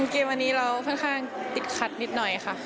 เกมวันนี้เราค่อนข้างติดขัดนิดหน่อยค่ะ